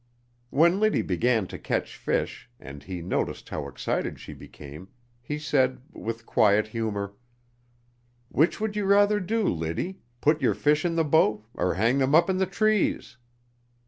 When Liddy began to catch fish, and he noticed how excited she became, he said, with quiet humor: "Which would you rather do, Liddy, put your fish in the boat or hang them up in the trees?